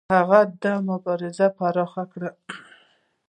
هغه دا مبارزه پراخه کړه.